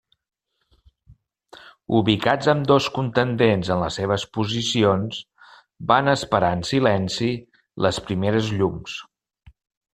Ubicats ambdós contendents en les seves posicions, van esperar en silenci les primeres llums.